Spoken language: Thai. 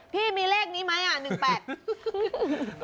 พี่มีเลขนี้ไหม๑แปด